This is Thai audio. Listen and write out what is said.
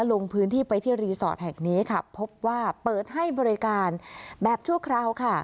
ลงพื้นที่ไปที่รีสอร์ทแห่งนี้ค่ะพบว่าเปิดให้บริการแบบชั่วคราวค่ะ